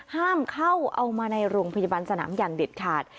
ห้ามเข้าเอามาในโรงพยาบาลสนามอย่างเด็ดขาด